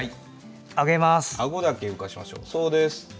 あごだけ浮かせましょう。